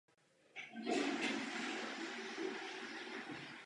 Můžeme snad i říci, že téměř úplně zmizely.